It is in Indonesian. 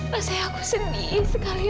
rasanya aku sedih sekali